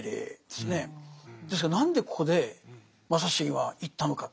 ですから何でここで正成は行ったのか。